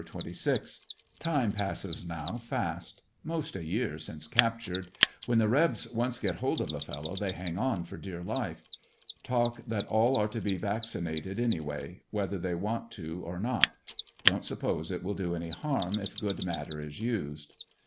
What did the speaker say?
26. — Time passes now fast; most a year since captured. When the Rebs once get hold of a fellow they hang on for dear life. Talk that all are to be vaccinated any way, whether they want to or not. Don't suppose it will do any harm if good matter is used.